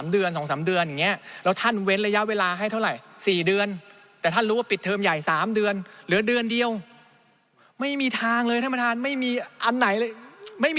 เดี๋ยวสไลด์ลงนิดนึงครับ